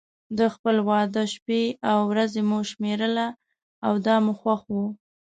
د خپل واده شپې او ورځې مو شمېرله او دا مو خوښ و.